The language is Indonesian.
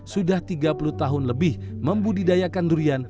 sudah tiga puluh tahun lebih membudidayakan durian